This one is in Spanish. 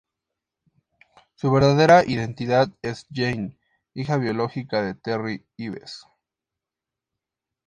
Su verdadera identidad es Jane, hija biológica de Terry Ives.